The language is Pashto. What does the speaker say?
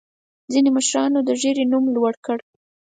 ځینې مشرانو د ګیرې نوم لوړ کړ.